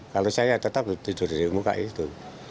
kalau saya tetap tidur di muka itu